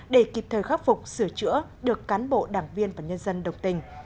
để kịp thời khắc phục sửa chữa được cán bộ đảng viên và nhân dân đồng tình